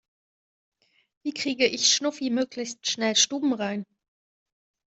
Wie kriege ich Schnuffi möglichst schnell stubenrein?